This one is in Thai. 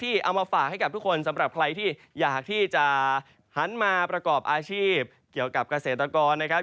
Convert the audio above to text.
เอามาฝากให้กับทุกคนสำหรับใครที่อยากที่จะหันมาประกอบอาชีพเกี่ยวกับเกษตรกรนะครับ